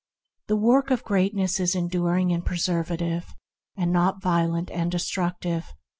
The work of greatness is enduring and preservative, and not violent and destructive.